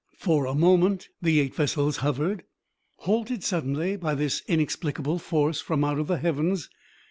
For a moment the eight vessels hovered, halted suddenly by this inexplicable force from out the heavens.